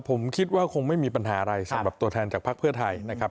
ผมคิดว่าคงไม่มีปัญหาอะไรสำหรับตัวแทนจากภักดิ์เพื่อไทยนะครับ